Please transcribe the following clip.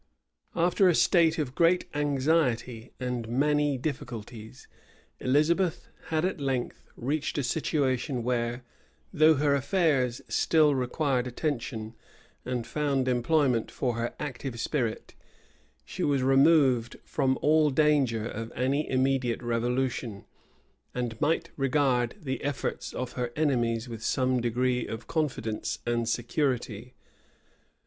{1590.} After a state of great anxiety and many difficulties, Elizabeth had at length reached a situation where, though her affairs still required attention, and found employment for her active spirit, she was removed from all danger of any immediate revolution, and might regard the efforts of her enemies with some degree of confidence and security.